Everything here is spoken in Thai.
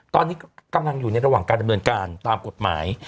ตอนนี้กำลังอยู่ในระหว่างการดำเนินการตามกฎหมาย